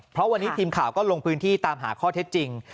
เพราะวันนี้ทีมข่าวก็ลงพื้นที่ตามหาข้อเท็จจริง